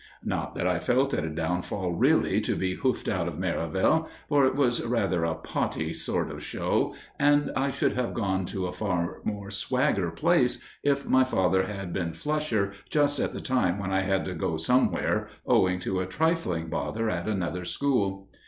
Not that I felt it a downfall really to be hoofed out of Merivale; for it was rather a potty sort of show, and I should have gone to a far more swagger place if my father had been flusher just at the time when I had to go somewhere, owing to a trifling bother at another school.